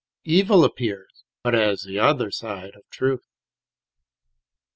... Evil appears but as the other side of Truth.